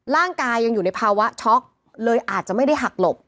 ร่างกายยังอยู่ในภาวะช็อกเลยอาจจะไม่ได้หักหลบ